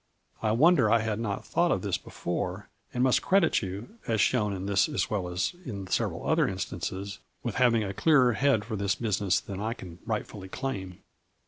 I wonder I had not thought of this before, and must credit you, as shown in this as well as in several other instances, with having a clearer head for this business than I can rightfully claim."